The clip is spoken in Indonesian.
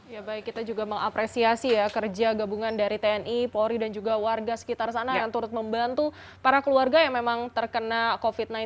ya baik kita juga mengapresiasi ya kerja gabungan dari tni polri dan juga warga sekitar sana yang turut membantu para keluarga yang memang terkena covid sembilan belas